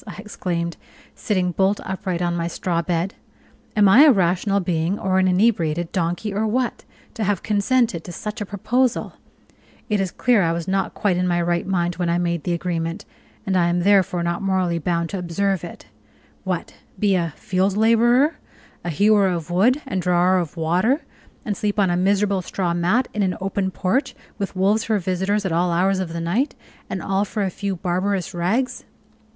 I exclaimed, sitting bolt upright on my straw bed, "am I a rational being or an inebriated donkey, or what, to have consented to such a proposal? It is clear that I was not quite in my right mind when I made the agreement, and I am therefore not morally bound to observe it. What! be a field laborer, a hewer of wood and drawer of water, and sleep on a miserable straw mat in an open porch, with wolves for visitors at all hours of the night, and all for a few barbarous rags!